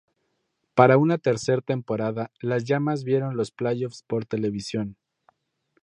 Para un tercer temporada, las llamas vieron los playoffs por televisión.